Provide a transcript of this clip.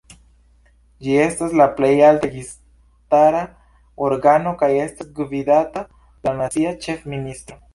Ĝi estas la plej alta registara organo, kaj estas gvidata de la nacia ĉefministro.